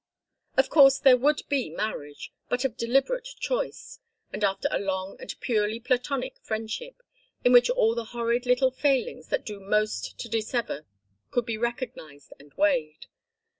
Of course there would be marriage, but of deliberate choice, and after a long and purely platonic friendship, in which all the horrid little failings that do most to dissever could be recognized and weighed.